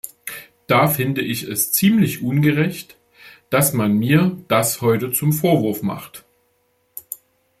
Da finde ich es ziemlich ungerecht, dass man mir das heute zum Vorwurf macht.